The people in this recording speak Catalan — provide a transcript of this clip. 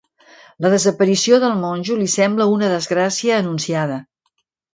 La desaparició del monjo li sembla una desgràcia anunciada.